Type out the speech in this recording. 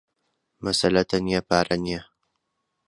مەسەلە تەنیا پارە نییە.